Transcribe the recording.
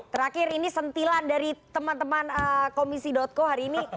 terakhir ini sentilan dari teman teman komisi co hari ini